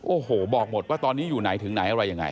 โอ้โหบอกหมดว่าตอนนี้อยู่ไหนถึงไหนอะไรยังไง